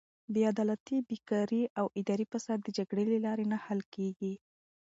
بېعدالتي، بېکاري او اداري فساد د جګړې له لارې نه حل کیږي.